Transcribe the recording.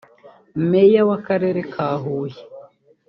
Meya w’akarere ka Huye